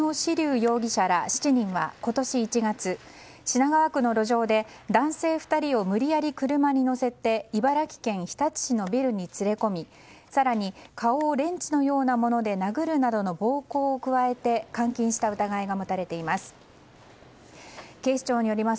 容疑者ら７人は今年１月、品川区の路上で男性２人を無理やり車に乗せて茨城県日立市のビルに連れ込み更に顔をレンチのようなもので殴るなどの暴行を加えて監禁した疑いが持たれています。